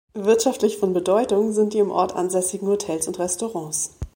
Wirtschaftlich von Bedeutung sind die im Ort ansässigen Hotels und Restaurants.